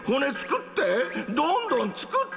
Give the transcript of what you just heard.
どんどんつくって！